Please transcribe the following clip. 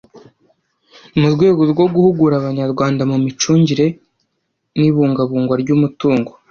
Mu rwego rwo guhugura Abanyarwanda mu micungure n’ibungabungwa ry’umutungo